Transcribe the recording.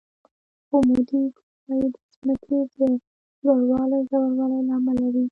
عمودي ګولایي د ځمکې د لوړوالي او ژوروالي له امله وي